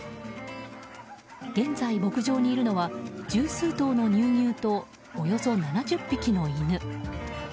現在、牧場にいるのは十数頭の乳牛とおよそ７０匹の犬。